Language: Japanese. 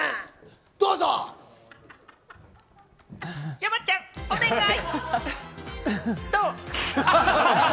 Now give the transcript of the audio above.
山ちゃん、お願い！